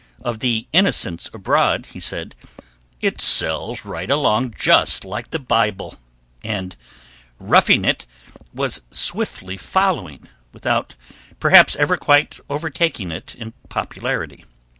Of the 'Innocents Abroad' he said, "It sells right along just like the Bible," and 'Roughing It' was swiftly following, without perhaps ever quite overtaking it in popularity.